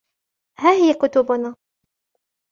ها هي كتبنا.